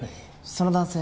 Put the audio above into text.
その男性